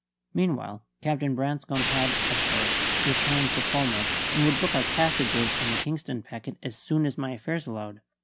Meanwhile, Captain Branscome had, of course, returned to Falmouth, and would book our passages on the Kingston packet as soon as my affairs allowed.